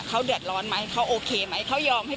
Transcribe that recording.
เกิดว่าจะต้องมาตั้งโรงพยาบาลสนามตรงนี้